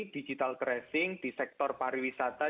digital tracing di sektor pariwisata